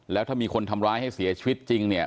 แล้วถ้ามีคนทำร้ายให้เสียชีวิตจริงเนี่ย